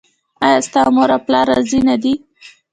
ایا ستاسو مور او پلار راضي نه دي؟